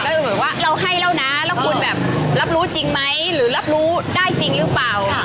ก็คือเหมือนว่าเราให้แล้วนะแล้วคุณแบบรับรู้จริงไหมหรือรับรู้ได้จริงหรือเปล่า